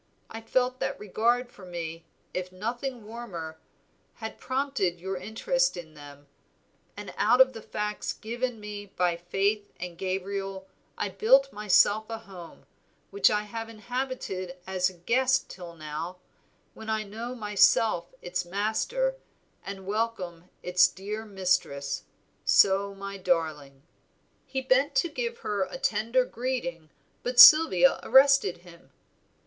I felt that regard for me, if nothing warmer, had prompted your interest in them; and out of the facts given me by Faith and Gabriel I built myself a home, which I have inhabited as a guest till now, when I know myself its master, and welcome its dear mistress, so my darling." He bent to give her tender greeting, but Sylvia arrested him.